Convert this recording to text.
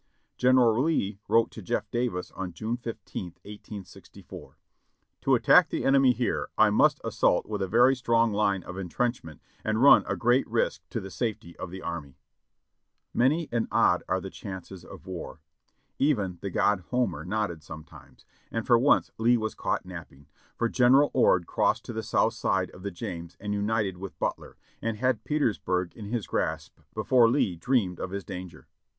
General Lee wrote to Jeff. Davis on June 15th, 1864: *'To attack the enemy here I must assault with a very strong line 596 JOHNNY RKB and BILLY YANK of entrenchment and run a great risk to the safety of the army." (Reb. Records, Vol. 51, p. 1003.) Many and odd are the chances of war. Even the god Homer nodded sometimes, and for once Lee was caught napping, for General Ord crossed to the south side of the James and united with Butler, and had Petersburg in his grasp before Lee dreamed of his danger.